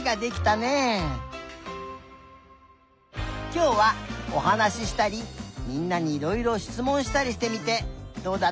きょうはおはなししたりみんなにいろいろしつもんしたりしてみてどうだった？